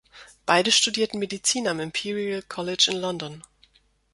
Beide studierten Medizin am Imperial College in London.